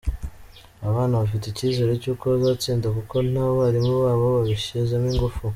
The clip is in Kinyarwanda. Aba bana bafite ikizere cy’uko bazatsinda kuko n’abarimu babo babishyizemo ingufu.